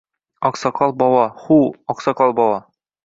Oqsoqol bovo, huv, Oqsoqol bovo